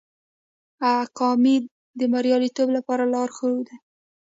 اکامي د بریالیتوب لوی لارښود دی.